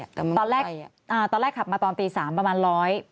ตอนแรกอ่าตอนแรกขับมาตอนตีสามประมาณร้อย